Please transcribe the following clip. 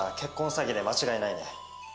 詐欺で間違いないね？